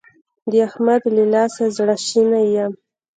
د احمد له لاسه زړه شنی يم.